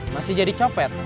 masih jadi copet